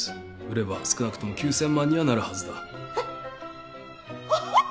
売れば少なくとも９，０００万にはなるはずだ。えっ！？オホホホ。